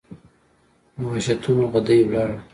د وحشتونو ، غدۍ وَلاړه